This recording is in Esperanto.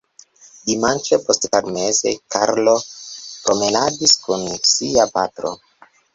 Dimanĉe posttagmeze Karlo promenadis kun sia patro.